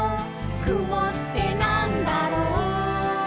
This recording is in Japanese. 「くもってなんだろう？」